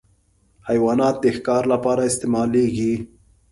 حیوانات د ښکار لپاره استعمالېږي.